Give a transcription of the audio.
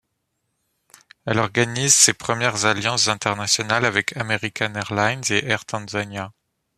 Elle organise ses premières alliances internationales avec American Airlines et Air Tanzania.